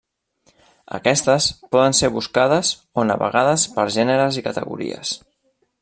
Aquestes poden ser buscades, o navegades per gèneres i categories.